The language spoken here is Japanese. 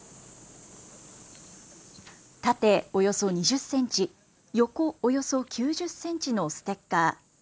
縦およそ２０センチ、横およそ９０センチのステッカー。